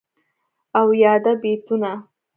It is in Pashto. او یادا بیتونه..